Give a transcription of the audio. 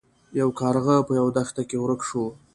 یو کارغه په یوه دښته کې ورک شو.